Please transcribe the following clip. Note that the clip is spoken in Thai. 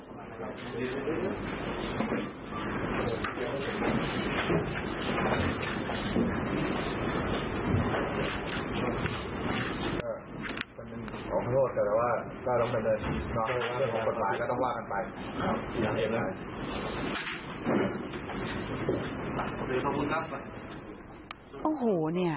ขอโทษกันแต่ว่าก็ต้องไปเดินของคนหลายก็ต้องว่ากันไป